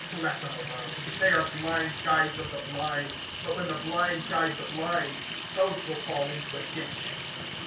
(14)Let them alone; they are blind leaders of the blind; and if the blind lead the blind, both will fall into the ditch.